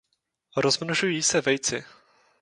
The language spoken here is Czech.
Rozmnožují se vejci.